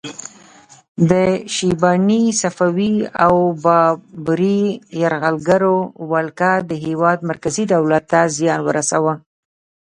د شیباني، صفوي او بابري یرغلګرو ولکه د هیواد مرکزي دولت ته زیان ورساوه.